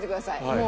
もう。